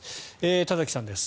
田崎さんです。